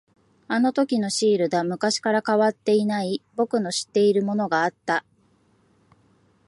あのときのシールだ。昔から変わっていない、僕の知っているものがあった。